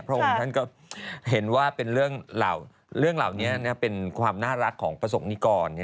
พระองค์ท่านก็เห็นว่าเป็นเรื่องเหล่านี้เป็นความน่ารักของประสงค์นิกร